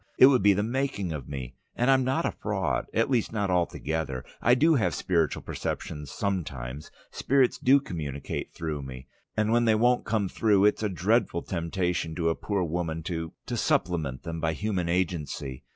It would be the making of me! And I'm not a fraud, at least not altogether. I do have spiritual perceptions sometimes; spirits do communicate through me. And when they won't come through it's a dreadful temptation to a poor woman to to supplement them by human agency.